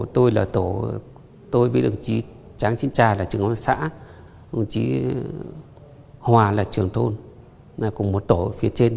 tôi là tổ tôi với đồng chí tráng sinh tra là trưởng huấn xã đồng chí hòa là trưởng thôn cùng một tổ phía trên